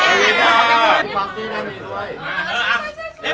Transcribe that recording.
อันนั้นจะเป็นภูมิแบบเมื่อ